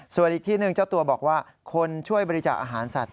ส่วนอีกที่หนึ่งเจ้าตัวบอกว่าคนช่วยบริจาคอาหารสัตว